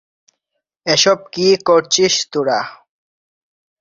এসব কি করছিস তোরা?